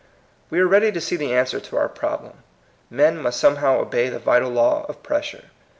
121 We are ready to see the answer to our problem. Men must somehow obey the vital law of pressure.